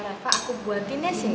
reva aku buatinnya sini